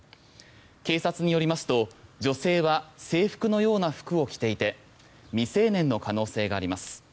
警察によりますと女性は制服のような服を着ていて未成年の可能性があります。